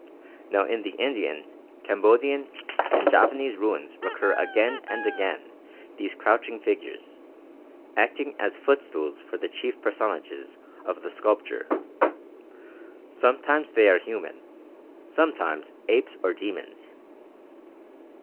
Now in the Indian, Cambodian, and Javanese ruins recur again and again these crouching figures, acting as footstools for the chief personages of the sculpture. Sometimes they are human, sometimes apes or demons.